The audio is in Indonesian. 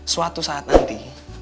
suatu saat nanti